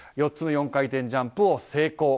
４つの４回転ジャンプを成功。